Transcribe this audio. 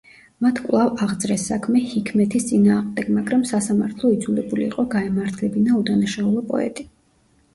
მათ კვლავ აღძრეს საქმე ჰიქმეთის წინააღმდეგ, მაგრამ სასამართლო იძულებული იყო გაემართლებინა უდანაშაულო პოეტი.